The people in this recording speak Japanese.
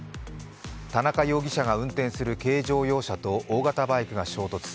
田中容疑者が運転する軽乗用車と大型バイクが衝突。